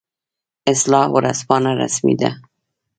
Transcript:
اصلاح ورځپاڼه رسمي ده